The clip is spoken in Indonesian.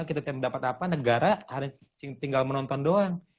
kita dapat apa negara tinggal menonton doang